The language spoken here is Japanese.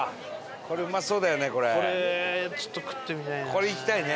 これいきたいね。